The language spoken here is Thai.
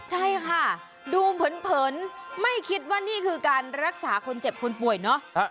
ใช่ค่ะดูเผินไม่คิดว่านี่คือการรักษาคนเจ็บคนป่วยเนอะ